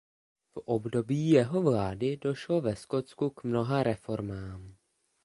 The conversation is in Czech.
V období jeho vlády došlo ve Skotsku k mnoha reformám.